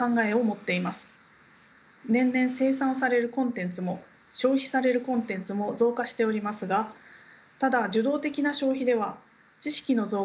年々生産されるコンテンツも消費されるコンテンツも増加しておりますがただ受動的な消費では知識の増加にとどまります。